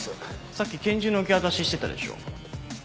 さっき拳銃の受け渡ししてたでしょ？